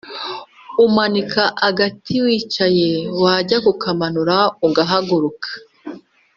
Umanika agati wicaye wajya kukamanura ugahaguruka